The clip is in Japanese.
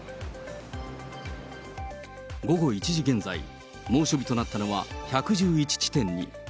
午後１時現在、猛暑日となったのは１１１地点に。